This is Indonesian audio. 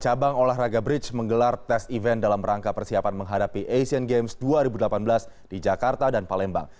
cabang olahraga bridge menggelar tes event dalam rangka persiapan menghadapi asian games dua ribu delapan belas di jakarta dan palembang